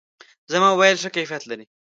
زما موبایل ښه کیفیت لري.